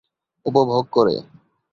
উপভোগ করে।